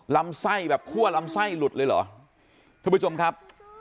ลำไส้แบบคั่วลำไส้หลุดเลยเหรอท่านผู้ชมครับ